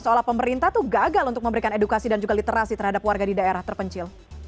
seolah pemerintah tuh gagal untuk memberikan edukasi dan juga literasi terhadap warga di daerah terpencil